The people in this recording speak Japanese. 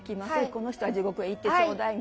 この人は地獄へ行ってちょうだいみたいな。